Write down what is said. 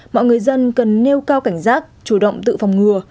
mọi người dân cần nêu cao cảnh giác chủ động tự phòng ngừa